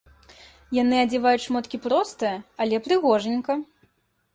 Яны адзяваюць шмоткі простыя, але прыгожанька.